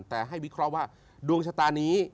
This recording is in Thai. แต่ให้วิเคราะห์ว่าดวงชะตานี้